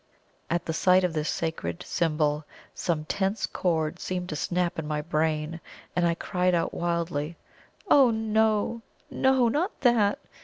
At sight of this sacred symbol, some tense cord seemed to snap in my brain, and I cried out wildly: "Oh, no, no! Not that!